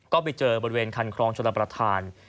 ก็ไปเจอบริเวณคันครองชลประธาน